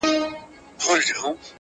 موږ ګناه کار یو چي مو ستا منله,